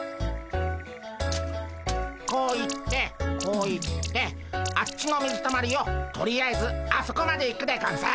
こう行ってこう行ってあっちの水たまりをとりあえずあそこまで行くでゴンス。